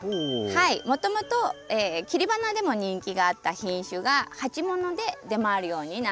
もともと切り花でも人気があった品種が鉢物で出回るようになった品種です。